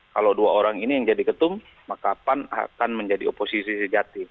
kalau dua orang ini yang jadi ketum maka pan akan menjadi oposisi sejati